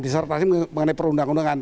disertasi mengenai perundang undangan